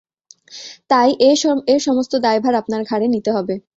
তাই, এর সমস্ত দায়ভার আপনার ঘাড়ে নিতে হবে।